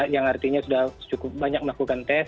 yang artinya sudah cukup banyak melakukan tes